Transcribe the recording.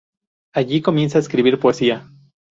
Allí comienza a escribir poesía.